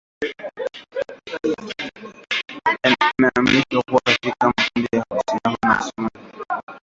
yameanishwa katika makundi tisa kulingana na dalili zao kuu kama vile kuathiriwa kwa mfumo